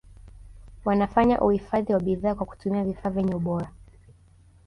wanafanya uhifadhi wa bidhaa kwa kutumia vifaa vyenye ubora